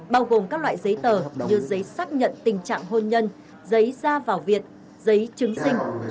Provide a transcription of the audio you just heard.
bao gồm các loại giấy tờ như giấy xác nhận tình trạng hôn nhân giấy ra vào viện giấy chứng sinh